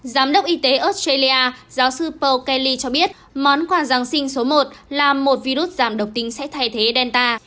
giám đốc y tế australia giáo sư pow kaly cho biết món quà giáng sinh số một là một virus giảm độc tính sẽ thay thế delta